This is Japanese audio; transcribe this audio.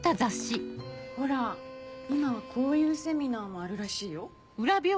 ほら今はこういうセミナーもあるらしいよ。